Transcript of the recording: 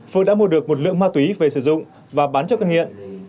phượng đã mua được một lượng ma túy về sử dụng và bán cho căn nghiện